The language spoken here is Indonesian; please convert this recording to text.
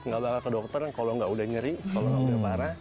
kalau nggak ke dokter kalau nggak udah nyeri kalau nggak udah parah